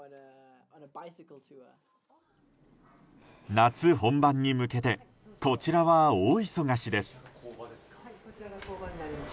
夏本番に向けてこちらは大忙しです。